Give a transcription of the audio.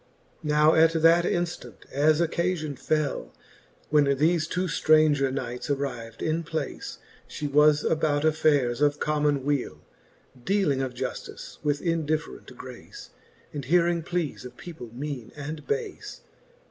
Now at that inftant, as occafion fell, When thefe two ftranger knights arriv'd in place, She was about affaires of common wele, Dealing of juftice with indifferent grace. And hearing pleas of people, meane and bafe.